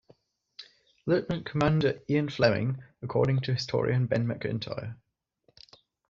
Lieutenant Commander Ian Fleming, according to historian Ben Macintyre.